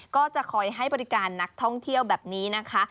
ก็จะคอยให้บริการนักท่องเที่ยวแบบนี้นะคะ